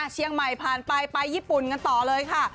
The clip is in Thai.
เชียงใหม่ผ่านไปไปญี่ปุ่นกันต่อเลยค่ะ